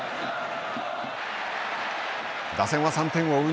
打線は３点を追う